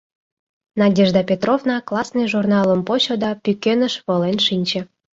Надежда Петровна классный журналым почо да пӱкеныш волен шинче.